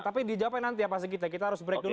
tapi dijawabkan nanti ya pak segito kita harus break dulu